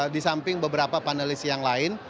di samping beberapa panelis yang lain